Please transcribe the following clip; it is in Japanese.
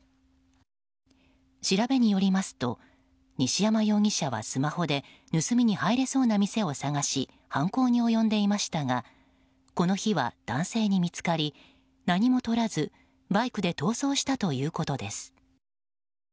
調べによりますと、西山容疑者はスマホで盗みに入れそうな店を探し犯行に及んでいましたがこの日は、男性に見つかり何もとらずバイクで逃走したということです。